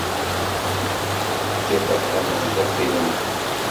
Ttakeɣ tameẓẓuɣt i lemtul.